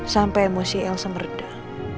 sampai emosi elsa meredah